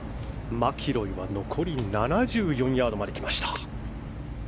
マキロイは残り７４ヤードまで来ました。